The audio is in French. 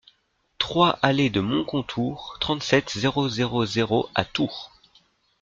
trois allée de Moncontour, trente-sept, zéro zéro zéro à Tours